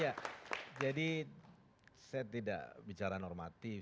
ya jadi saya tidak bicara normatif